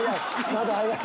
まだ早い！